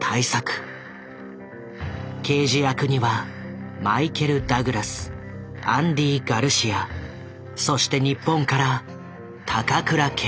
刑事役にはマイケル・ダグラスアンディ・ガルシアそして日本から高倉健。